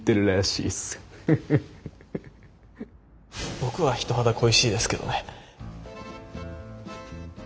僕は人肌恋しいですけどね。